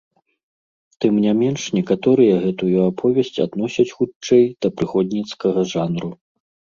Тым не менш некаторыя гэтую аповесць адносяць хутчэй да прыгодніцкага жанру.